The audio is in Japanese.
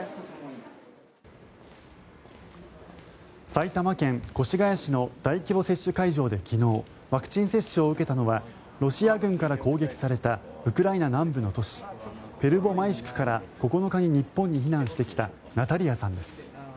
埼玉県越谷市の大規模接種会場で昨日ワクチン接種を受けたのはロシア軍から攻撃されたウクライナ南部の都市ペルボマイシクから９日に日本に避難してきたナタリアさんです。